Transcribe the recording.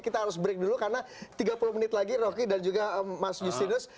kita harus break dulu karena tiga puluh menit lagi rocky dan juga mas justinus